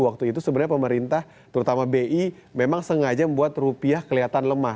waktu itu sebenarnya pemerintah terutama bi memang sengaja membuat rupiah kelihatan lemah